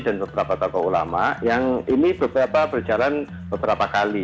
dan beberapa tokoh ulama yang ini berjalan beberapa kali